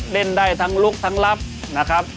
เล่นได้ทั้งลุกทั้งลับนะครับ